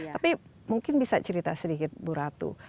tapi mungkin bisa cerita sedikit bu ratu